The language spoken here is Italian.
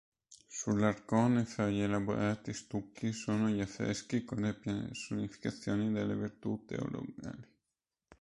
Sull'arcone, fra gli elaborati stucchi, sono gli affreschi con le personificazioni delle virtù teologali.